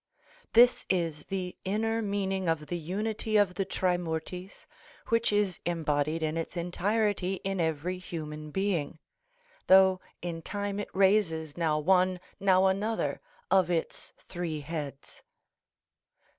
This is the inner meaning of the unity of the Trimurtis, which is embodied in its entirety in every human being, though in time it raises now one, now another, of its three heads.